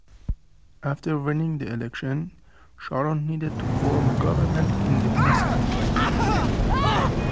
After winning the election, Sharon needed to form a government in the Knesset.